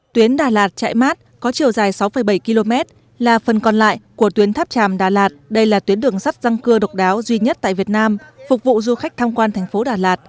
tuyến đà lạt chạy mát có chiều dài sáu bảy km là phần còn lại của tuyến tháp tràm đà lạt đây là tuyến đường sắt răng cưa độc đáo duy nhất tại việt nam phục vụ du khách tham quan thành phố đà lạt